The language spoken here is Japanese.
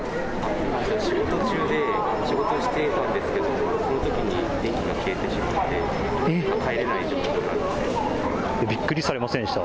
仕事中で仕事をしていたんですけれども、そのときに電気が消えてしまって、今、帰れない状態びっくりされませんでした？